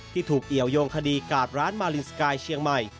ที่ถูกเอี่ยวยงคดีกาดร้านมาลินสกายเชียงใหม่